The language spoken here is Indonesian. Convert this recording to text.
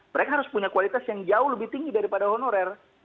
mereka harus punya kualitas yang jauh lebih tinggi daripada honorer